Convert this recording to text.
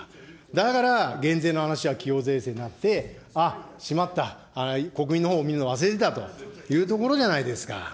だから減税の話は企業税制になって、ああ、しまった、国民のほうを見るの忘れてたというところじゃないですか。